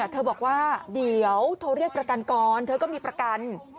เธอบอกว่าเดี๋ยวโทรเรียกประกันก่อนเธอก็มีประกัน